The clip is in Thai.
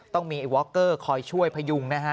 ต้องมีวอคเกอร์คอยช่วยพยุงนะฮะ